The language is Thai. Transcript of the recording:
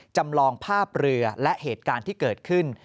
จำลองภาพเรือและเหตุการณ์ที่เกิดขึ้น